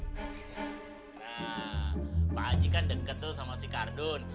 nah pak haji kan deket tuh sama sikardun